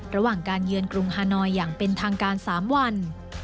ระหว่างการเยือนกรุงฮานอยอย่างเป็นทางการ๓วัน